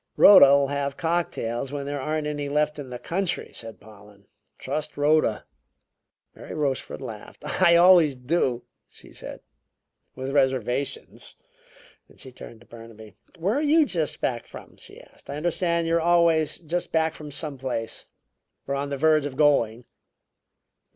"Rhoda'll have cocktails when there aren't any more left in the country," said Pollen. "Trust Rhoda!" Mary Rochefort laughed. "I always do," she said, "with reservations." She turned to Burnaby. "Where are you just back from?" she asked. "I understand you are always just back from some place, or on the verge of going."